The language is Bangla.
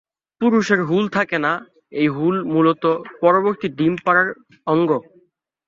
পুরুষের হুল থাকে না কারণ এই হুল মূলত পরিবর্তিত ডিম পাড়ার অঙ্গ।